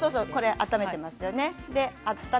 温めていますよね。